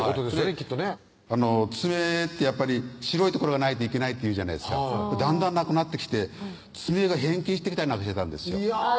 きっとね爪ってやっぱり白い所がないといけないっていうじゃないですかだんだんなくなってきて爪が変形してきたりしてたんです